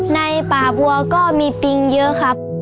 ในป่าบัวก็มีปิงเยอะครับ